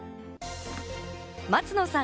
松野さん